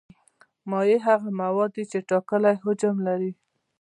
مایع هغه مواد دي چې ټاکلی حجم لري.